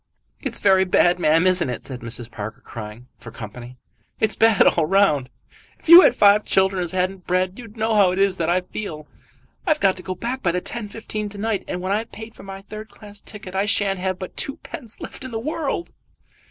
"It's very bad, ma'am; isn't it?" said Mrs. Parker, crying for company. "It's bad all round. If you had five children as hadn't bread you'd know how it is that I feel. I've got to go back by the 10.15 to night, and when I've paid for a third class ticket I shan't have but twopence left in the world."